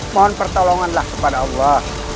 mohon pertolonganlah kepada allah